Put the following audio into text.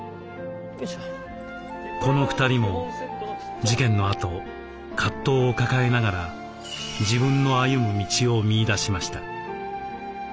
この２人も事件のあと葛藤を抱えながら自分の歩む道を見いだしました。